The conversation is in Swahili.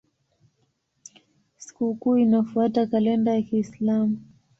Sikukuu inafuata kalenda ya Kiislamu.